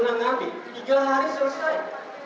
menangkapi tiga hari selesai